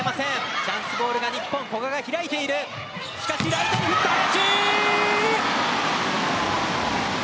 ライトに振って、林！